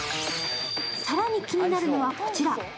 更に気になるのは、こちら。